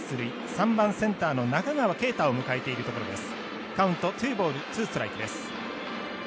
３番センターの中川圭太を迎えているところです。